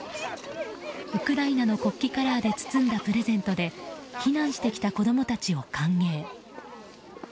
ウクライナの国旗カラーで包んだプレゼントで避難してきた子供たちを歓迎。